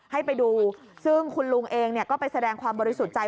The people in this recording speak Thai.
ให้ไปดูซึ่งคุณลุงเองก็ไปแสดงความบริสุทธิ์ใจ